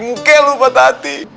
mungkin lu patah hati